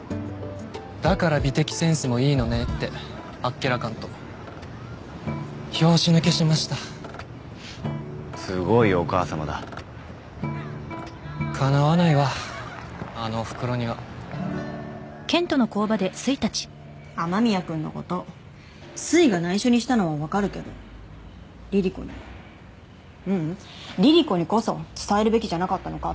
「だから美的センスもいいのね」ってあっけらかんと拍子抜けしましたふっすごいお母さまだかなわないわあのおふくろには雨宮君のことすいがないしょにしたのはわかるけどリリ子にもううんリリ子にこそ伝えるべきじゃなかったのかって